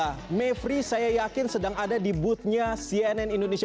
ya mevri saya yakin sedang ada di booth nya cnn indonesia